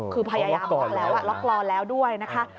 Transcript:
คือพยายามล็อกกลอนแล้วด้วยนะคะ